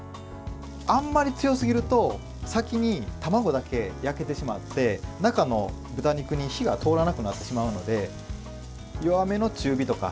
あんまり強すぎると先に卵だけ焼けてしまって中の豚肉に火が通らなくなってしまうので弱めの強火とか。